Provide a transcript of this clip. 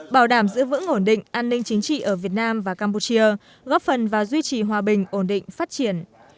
bảo đảm giữ vững ổn định an ninh chính trị ở việt nam và campuchia góp phần và duy trì hòa bình ổn định phát triển